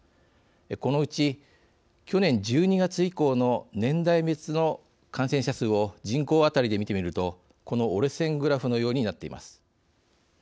このうち、去年１２月以降の年代別の感染者数を人口当たりで見てみるとこの折れ線グラフのようになっています。